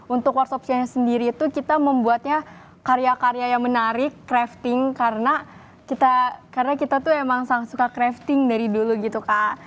untuk workshopshionnya sendiri itu kita membuatnya karya karya yang menarik crafting karena kita tuh emang suka crafting dari dulu gitu kak